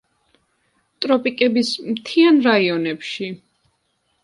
ტროპიკების მთიან რაიონებში.